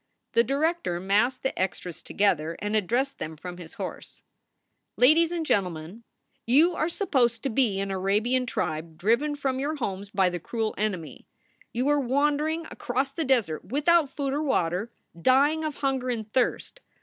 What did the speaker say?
The director massed the extras together and addressed them from his horse: "Ladies and gentlemen, you are supposed to be an Arabian SOULS FOR SALE 133 tribe driven from your homes by the cruel enemy. You are wandering across the desert without food or water, dying of hunger and thirst.